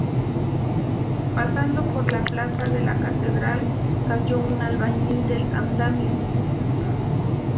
Pasando por la plaza de la Catedral, cayó un albañil del andamio, y Fr.